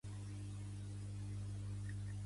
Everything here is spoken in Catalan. Què hi ha representades?